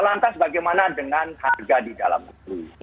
lantas bagaimana dengan harga di dalam negeri